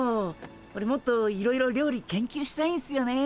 オレもっといろいろ料理研究したいんすよね。